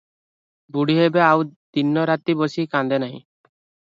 ବୁଢ଼ୀ ଏବେ ଆଉ ଦିନ ରାତି ବସି କାନ୍ଦେ ନାହିଁ ।